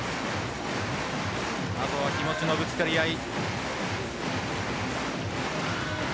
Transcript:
あとは気持ちのぶつかり合い。